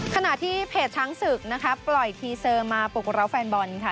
ขณะที่เพจช้างศึกนะคะปล่อยทีเซอร์มาปลุกร้าวแฟนบอลค่ะ